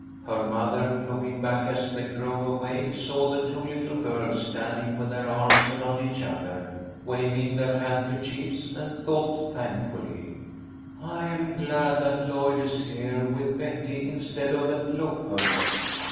Her mother, looking back as they drove away, saw the two little girls standing with their arms around each other, waving their handkerchiefs, and thought thank fully, " I am glad that Lloyd is here with Betty in stead of at Locust.